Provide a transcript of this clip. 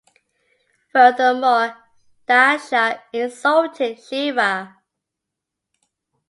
Furthermore, Daksha insulted Shiva.